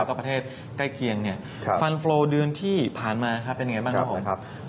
แล้วก็ประเทศใกล้เคียงเนี่ยฟันโฟลเดือนที่ผ่านมาครับเป็นไงบ้างครับผม